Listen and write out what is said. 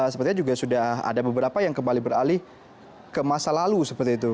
sepertinya juga sudah ada beberapa yang kembali beralih ke masa lalu seperti itu